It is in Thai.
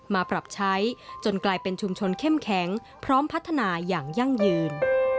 มาปรับใช้จนกลายเป็นชุมชนเข้มแข็งพร้อมพัฒนาอย่างยั่งยืน